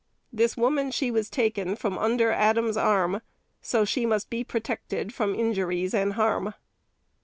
This woman she was taken From under Adam's arm; So she must be protected From injuries and harm.